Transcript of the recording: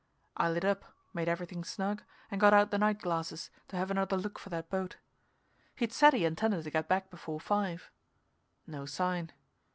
I lit up, made everything snug, and got out the night glasses to have another look for that boat. He'd said he intended to get back before five. No sign.